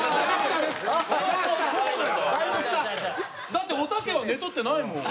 だっておたけは寝取ってないもん。